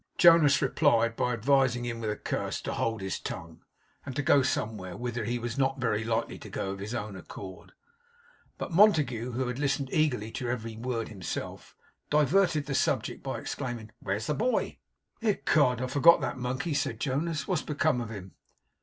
Jonas replied by advising him with a curse to hold his tongue, and to go somewhere, whither he was not very likely to go of his own accord. But Montague, who had listened eagerly to every word, himself diverted the subject, by exclaiming: 'Where's the boy?' 'Ecod! I forgot that monkey,' said Jonas. 'What's become of him?